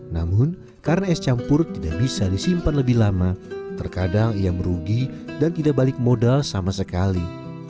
namun karena es campur tidak bisa disimpan lebih lama terkadang ia merugi dan tidak balik modal sama sekali